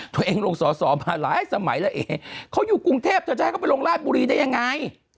ตัวเองลงสอสอมาหลายสมัยแล้วเองเขาอยู่กรุงเทพเธอจะให้เขาไปลงราชบุรีได้ยังไง